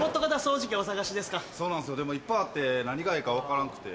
そうなんすよでもいっぱいあって何がええか分からんくて。